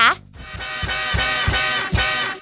สวัสดีครับ